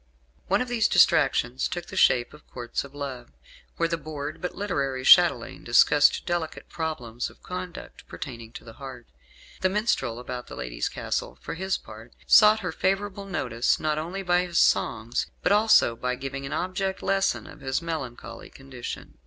One of these distractions took the shape of Courts of Love, where the bored but literary chatelaine discussed delicate problems of conduct pertaining to the heart. The minstrel about the lady's castle, for his part, sought her favourable notice not only by his songs but also by giving an object lesson of his melancholy condition.